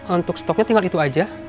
untuk stoknya tinggal itu aja